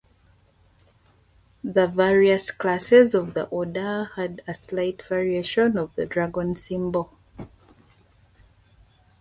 The various classes of the order had a slight variation of the dragon symbol.